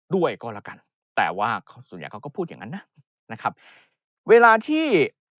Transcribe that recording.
ด้วยก็แล้วกันแต่ว่าส่วนใหญ่เขาก็พูดอย่างนั้นนะนะครับเวลาที่